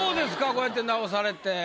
こうやって直されて。